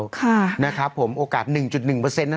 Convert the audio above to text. โอกาส๑๑เท่านั้นที่มีโอกาสแบบนี้